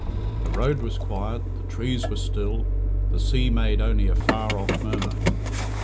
The road was quiet, the trees were still, the sea made only a far off murmur.